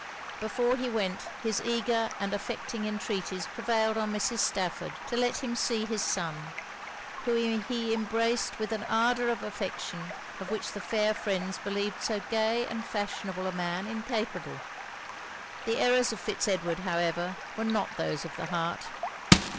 Before he went, his eager and affecting entreaties prevailed on Mrs. Stafford to let him see his son, whom he embraced with an ardour of affection of which the fair friends believed so gay and fashionable a man incapable. The errors of Fitz Edward, however, were not those of the heart.